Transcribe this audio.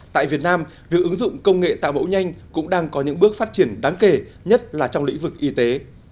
tại việt nam việc ứng dụng công nghệ tạo mẫu nhanh cũng đang có những bước phát triển đáng kể nhất là trong lĩnh vực y tế